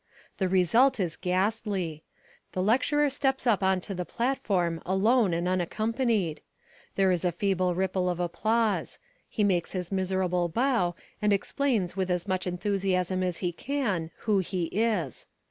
The result is ghastly. The lecturer steps up on to the platform alone and unaccompanied. There is a feeble ripple of applause; he makes his miserable bow and explains with as much enthusiasm as he can who he is.